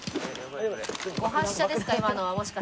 誤発射ですか？